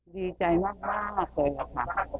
ดีใจมากเคยแล้วค่ะ